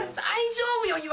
大丈夫よ